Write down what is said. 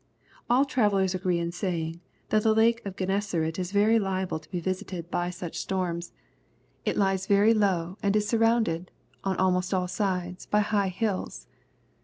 '\ All travellers agree in saying, that the lake of Gennesaret is very liable to be visited by a 12 266 SZPOSITOBY THOUGHTS. such storms. It bes very low, and is surroimced, on almost aU sides, by high hills.